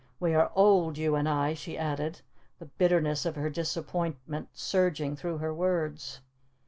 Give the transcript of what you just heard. We are old, you and I," she added, the bitterness of her disappointment surging through her words.